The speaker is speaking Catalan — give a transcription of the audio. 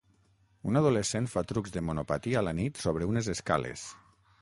Un adolescent fa trucs de monopatí a la nit sobre unes escales